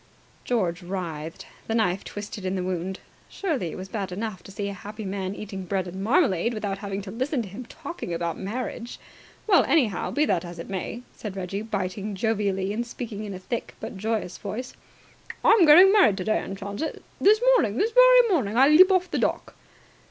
George writhed. The knife twisted in the wound. Surely it was bad enough to see a happy man eating bread and marmalade without having to listen to him talking about marriage. "Well, anyhow, be that as it may," said Reggie, biting jovially and speaking in a thick but joyous voice. "I'm getting married today, and chance it. This morning, this very morning, I leap off the dock!"